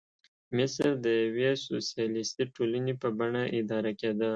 مصر د یوې سوسیالیستي ټولنې په بڼه اداره کېده.